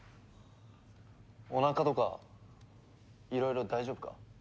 おなかとかいろいろ大丈夫か？